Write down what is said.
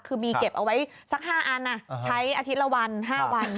คือมีเก็บเอาไว้สัก๕อันใช้อาทิตย์ละวัน๕วัน